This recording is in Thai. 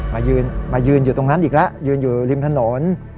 มายืนอยู่ตรงนั้นอีกแล้วยืนอยู่ริมถนน